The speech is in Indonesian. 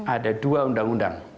ada dua undang undang